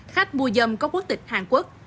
khách mua dâm có quốc tịch hàn quốc